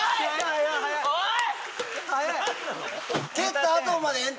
おい！